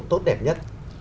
tốt đẹp nhất